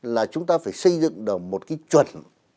là chúng ta phải xây dựng được một cái chuẩn